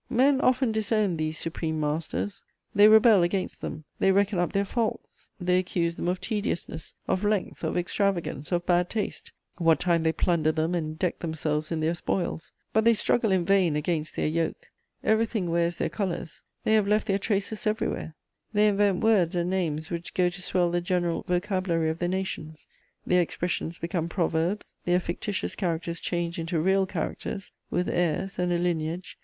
Men often disown these supreme masters; they rebel against them; they reckon up their faults: they accuse them of tediousness, of length, of extravagance, of bad taste, what time they plunder them and deck themselves in their spoils; but they struggle in vain against their yoke. Everything wears their colours; they have left their traces everywhere; they invent words and names which go to swell the general vocabulary of the nations; their expressions become proverbs, their fictitious characters change into real characters, with heirs and a lineage.